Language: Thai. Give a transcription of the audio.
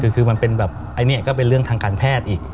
คือมันเป็นแบบอันนี้ก็เป็นเรื่องทางการแพทย์อีก